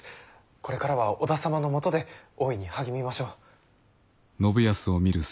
これからは織田様のもとで大いに励みましょう。